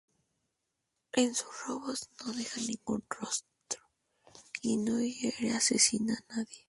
En sus robos no deja ningún rastro y no hiere ni asesina a nadie.